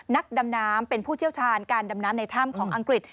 นักดำน้ำเป็นผู้เชี่ยวชาญการดำน้ำในถ้ำของอังกฤษ